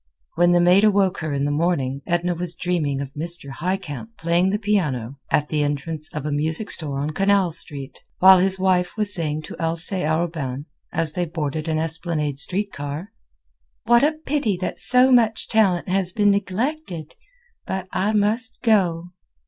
When the maid awoke her in the morning Edna was dreaming of Mr. Highcamp playing the piano at the entrance of a music store on Canal Street, while his wife was saying to Alcée Arobin, as they boarded an Esplanade Street car: "What a pity that so much talent has been neglected! but I must go."